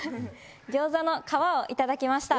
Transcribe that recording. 餃子の皮をいただきました。